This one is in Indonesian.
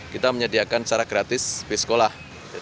kita menyediakan secara gratis bis sekolah